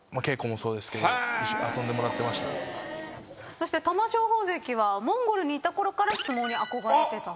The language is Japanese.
そして玉正鳳関はモンゴルにいたころから相撲に憧れてたと？